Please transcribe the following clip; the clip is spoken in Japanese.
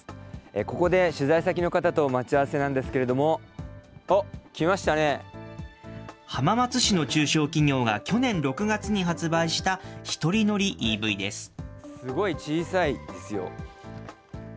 ここで取材先の方と待ち合わせなんですけれども、おっ、来ました浜松市の中小企業が去年６月すごい小さいですよ。